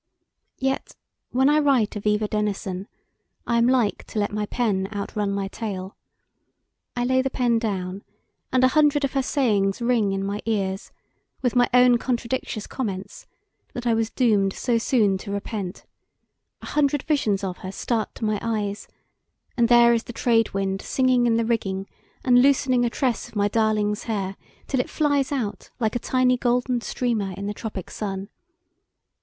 Yet, when I write of Eva Denison, I am like to let my pen outrun my tale. I lay the pen down, and a hundred of her sayings ring in my ears, with my own contradictious comments, that I was doomed so soon to repent; a hundred visions of her start to my eyes; and there is the trade wind singing in the rigging, and loosening a tress of my darling's hair, till it flies like a tiny golden streamer in the tropic sun.